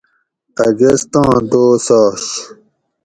اگستاں دوس آش